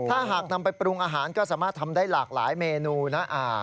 ถ้าหากนำไปปรุงอาหารก็สามารถทำได้หลากหลายเมนูนะ